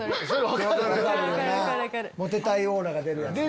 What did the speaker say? モテたいオーラが出るヤツね。